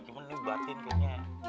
ya cuman nyebatin kayaknya